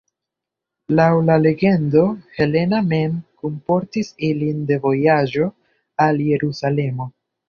Laŭ la legendo Helena mem kunportis ilin de vojaĝo al Jerusalemo.